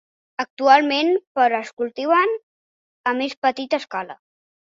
Actualment, però, és cultiven a més petita escala.